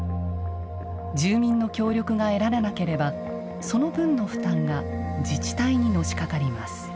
住民の協力が得られなければその分の負担が自治体にのしかかります。